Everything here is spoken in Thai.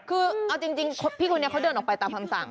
คือเอาจริงพี่คนนี้เขาเดินออกไปตามคำสั่ง